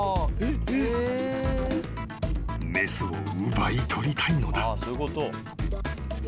［雌を奪い取りたいのだ］